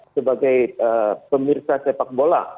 sebagai pemirsa sepak bola